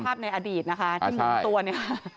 ซ้ายมือคือภาพในอดีตนะคะที่มุกตัวนี่ค่ะ